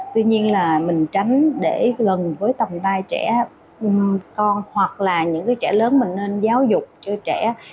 tuy nhiên là mình tránh để gần với tầm vai trẻ con hoặc là những cái trẻ lớn mình nên giáo dục cho trẻ